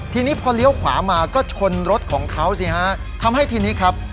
ทีนี้พอเลี้ยวขวามาก็ชนรถของเขาสิฮะทำให้ทีนี้ครับ